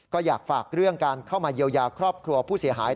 ก็อยากฝากเรื่องการเข้ามาเยียวยาครอบครัวผู้เสียหาย